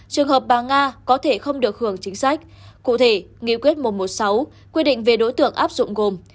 trường hợp bà nga có thể không được hưởng chính sách cụ thể nghị quyết một trăm một mươi sáu quy định về đối tượng áp dụng gồm